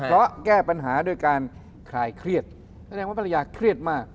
เพราะแก้ปัญหาด้วยการคลายเครียดแสดงว่าภรรยาเครียดมาก